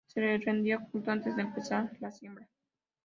Se le rendía culto antes de empezar la siembra.